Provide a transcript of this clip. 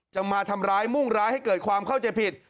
จะมาทำร้ายมุ่งร้ายให้เกิดความเข้าใจผิด